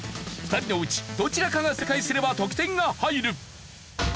２人のうちどちらかが正解すれば得点が入る。